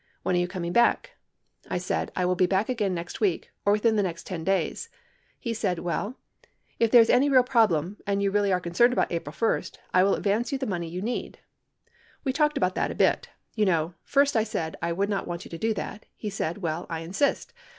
When are you coming back ? I said, 1 will be back again next week or within the next 10 days. He said, well, if there is any real problem and you really are concerned about April 1, I will advance you the money 54 Allen executive session, June 7, 1974, p. 39. 517 you need. We talked about that a little bit. You know, first I said I would not want you to do that. He said, well, T insist.